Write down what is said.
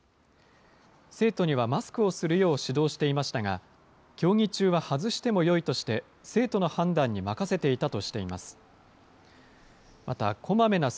生徒にはマスクをするよう指導していましたが、競技中は外してもよいとして、生徒の判断に任せていたとしています。